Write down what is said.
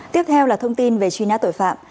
tiếp theo là thông tin về truy nã tội phạm